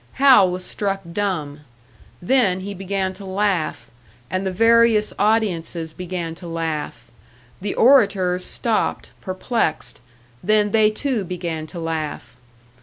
Hal was struck dumb; then he began to laugh, and the various audiences began to laugh; the orators stopped, perplexed then they too began to laugh.